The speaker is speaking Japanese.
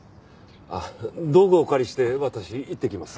あっ道具をお借りして私行ってきます。